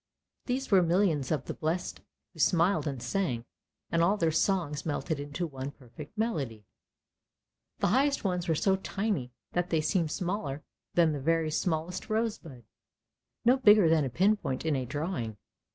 These were millions of the Blessed who smiled and sang, and all their songs melted into one perfect melody. The highest ones were so tiny that they seemed smaller than the very smallest rosebud, no bigger than a pinpoint in a drawing.